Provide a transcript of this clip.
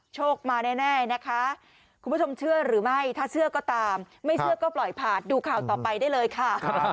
โชคมาแน่นะคะคุณผู้ชมเชื่อหรือไม่ถ้าเชื่อก็ตามไม่เชื่อก็ปล่อยผ่านดูข่าวต่อไปได้เลยค่ะ